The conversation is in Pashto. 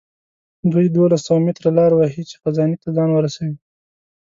دوی دولس سوه متره لاره وهي چې خزانې ته ځان ورسوي.